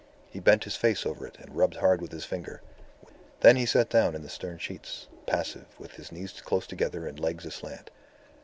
He bent his face over it and rubbed hard with his finger. Then he sat down in the stern sheets, passive, with his knees close together and legs aslant.